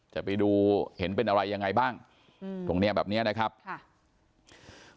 จะไปดูเห็นเป็นอะไรยังไงบ้างอืมตรงเนี้ยแบบเนี้ยนะครับค่ะ